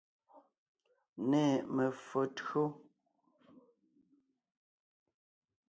Nê me[o tÿǒ.